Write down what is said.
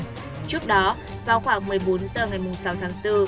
trước đó vào khoảng một mươi bốn h ngày sáu tháng bốn